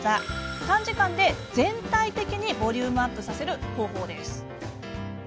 短時間で、全体的にボリュームアップさせる方法です。